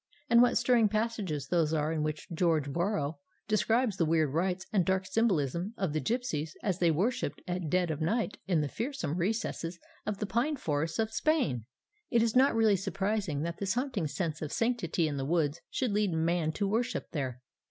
And what stirring passages those are in which George Borrow describes the weird rites and dark symbolism of the gipsies as they worshipped at dead of night in the fearsome recesses of the pine forests of Spain! It is really not surprising that this haunting sense of sanctity in the woods should lead Man to worship there.